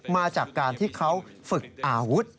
มาจากการที่เขาฝึกอาวุธ